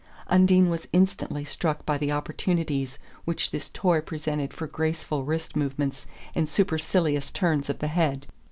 Undine was instantly struck by the opportunities which this toy presented for graceful wrist movements and supercilious turns of the head.